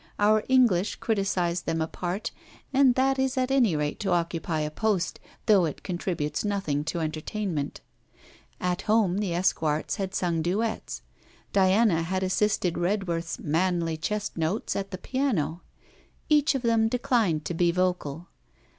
Our English criticized them apart; and that is at any rate to occupy a post, though it contributes nothing to entertainment. At home the Esquarts had sung duets; Diana had assisted Redworth's manly chest notes at the piano. Each of them declined to be vocal.